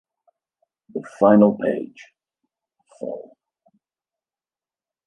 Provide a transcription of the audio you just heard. The final page, fol.